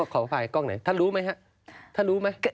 ขออภัยกล้องไหนท่านรู้ไหมครับท่านรู้ไหม